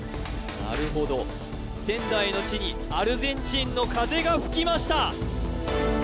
なるほど仙台の地にアルゼンチンの風が吹きました！